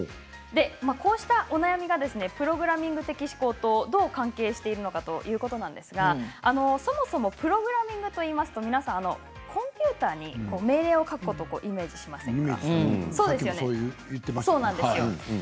こうしたお悩みがプログラミング的思考とどう関係しているのかということなんですがそもそもプログラミングといいますと皆さんコンピューターに命令を書くことをイメージすると思いませんか。